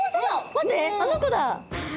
待ってあの子だ！